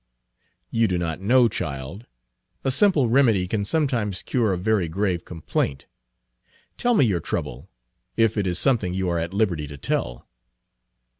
"You do not know, child. A simple remedy can sometimes cure a very grave complaint. Tell me your trouble, if it is something you are at liberty to tell."